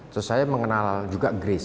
saya mengenal juga grace